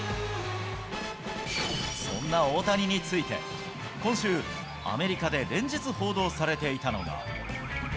そんな大谷について、今週、アメリカで連日報道されていたのが。